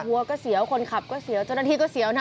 วัวก็เสียวคนขับก็เสียวเจ้าหน้าที่ก็เสียวนะ